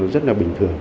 rất là bình thường